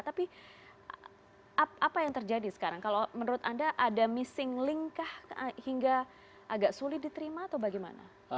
tapi apa yang terjadi sekarang kalau menurut anda ada missing link kah hingga agak sulit diterima atau bagaimana